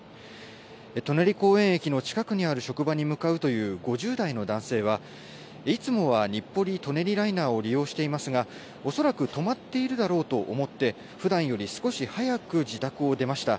舎人公園駅の近くにある職場に向かうという５０代の男性は、いつもは日暮里・舎人ライナーを利用していますが、恐らく止まっているだろうと思って、ふだんより少し早く自宅を出ました。